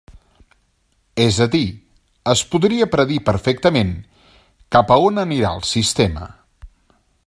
És a dir, es podria predir perfectament cap a on anirà el sistema.